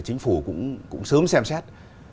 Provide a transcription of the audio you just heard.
chính phủ cũng sớm xem xét